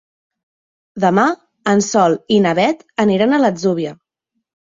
Demà en Sol i na Beth aniran a l'Atzúbia.